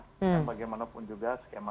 dan bagaimanapun juga skema